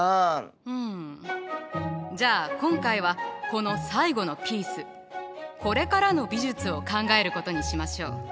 うんじゃあ今回はこの最後のピース「これからの美術」を考えることにしましょう。